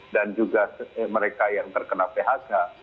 dan juga mereka yang terkena phk